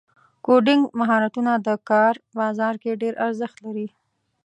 کوډینګ مهارتونه د کار بازار کې ډېر ارزښت لري.